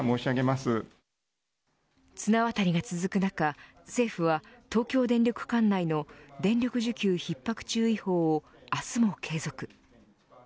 綱渡りが続く中政府は東京電力管内の電力需給ひっ迫注意報を明日も継続。